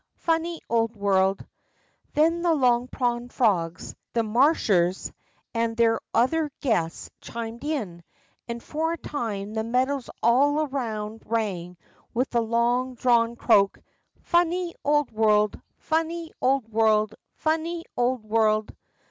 Funny old world !" Then the Long Pond frogs, the Marshers, and their other guests chimed in, and for a time the meadows all around rang with the long drawn croak : ^^Funny old world! Funny old world! Funny old world